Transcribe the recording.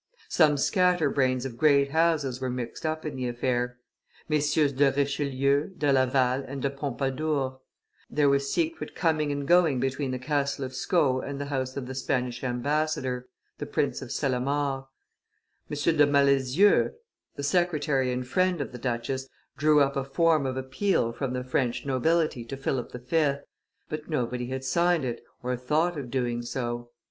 Some scatter brains of great houses were mixed up in the affair; MM. de Richelieu, de Laval, and de Pompadour; there was secret coming and going between the castle of Sceaux and the house of the Spanish ambassador, the Prince of Cellamare; M. de Malezieux, the secretary and friend of the duchess, drew up a form of appeal from the French nobility to Philip V., but nobody had signed it, or thought of doing so.